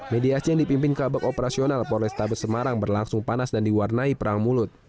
mediasi yang dipimpin kabak operasional polrestabes semarang berlangsung panas dan diwarnai perang mulut